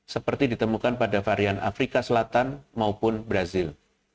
seperti ditemukan pada varian afrika selatan maupun brazil